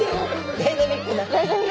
ダイナミックな。